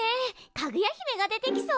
かぐや姫が出てきそう。